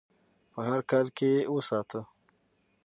په هر حال کې یې وساتو.